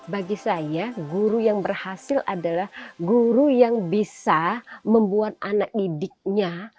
bagi saya guru yang berhasil adalah guru yang bisa membuat anak didiknya